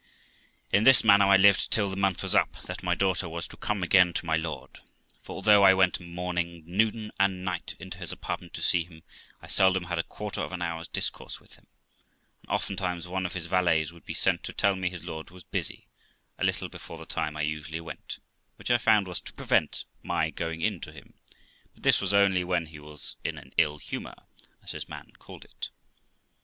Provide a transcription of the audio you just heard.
In this manner I lived till the month was up that my daughter was to come again to my lord, for, although I went morning, noon, and night, into his apartment to see him, I seldom had a quarter of an hour's discourse with him, and oftentimes one of his valets would be sent to tell me his lord was busy, a little before the time I usually went, which I found was to prevent my going in to him, but this was only when he was in an ill humour, as his man called it.